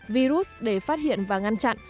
virus để phát hiện và ngăn chặn